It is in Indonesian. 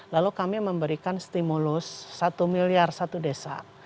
lalu kami memberikan stimulus satu miliar satu desa